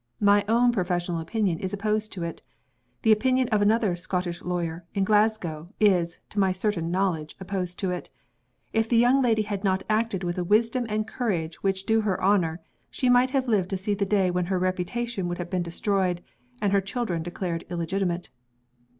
My own professional opinion is opposed to it. The opinion of another Scottish lawyer (in Glasgow) is, to my certain knowledge, opposed to it. If the young lady had not acted with a wisdom and courage which do her honor, she might have lived to see the day when her reputation would have been destroyed, and her children declared illegitimate.